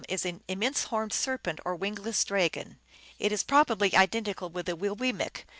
is an immense horned serpent or wingless dragon. It is probably identical with the Wiwillmekq (P.